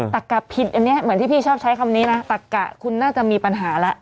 ตักกะผิดอันนี้เหมือนที่พี่ชอบใช้คำนี้นะตักกะคุณน่าจะมีปัญหาแล้ว